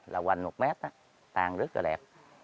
là hoành một mét á tàn rất là đẹp